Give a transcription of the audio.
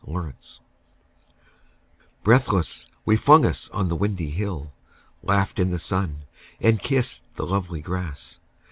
The Hill Breathless, we flung us on the windy hill, Laughed in the sun, and kissed the lovely grass.